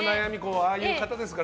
ああいう方ですから。